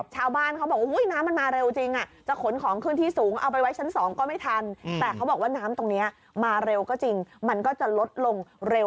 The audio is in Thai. ชาวบ้านเขาบอกว่ามันมาเร็วจริง